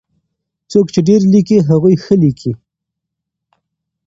څوک چې ډېر ليکي هغوی ښه ليکي.